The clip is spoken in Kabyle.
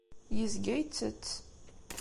Yezga ittett.